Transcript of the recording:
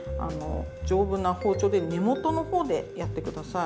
丈夫な包丁で根元の方でやって下さい。